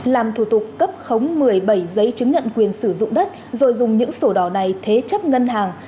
làm thủ tục cấp khống một mươi bảy giấy chứng nhận quyền sử dụng đất rồi dùng những sổ đỏ này thế chấp ngân hàng